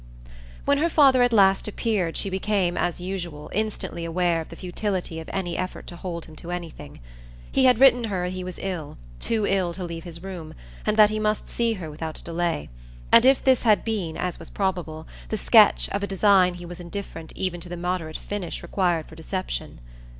When her father at last appeared she became, as usual, instantly aware of the futility of any effort to hold him to anything. He had written her he was ill, too ill to leave his room, and that he must see her without delay; and if this had been, as was probable, the sketch of a design he was indifferent even to the moderate finish required for deception.